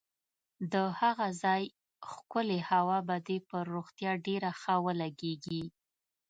د هغه ځای ښکلې هوا به دې پر روغتیا ډېره ښه ولګېږي.